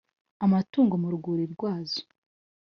amatungo mu rwuri rwazo